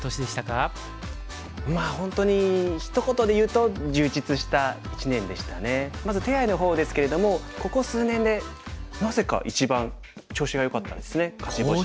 まあ本当にひと言でいうとまず手合の方ですけれどもここ数年でなぜか一番調子がよかったですね勝ち星が。